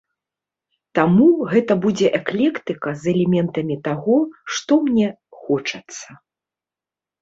Таму гэта будзе эклектыка з элементамі таго, што мне хочацца.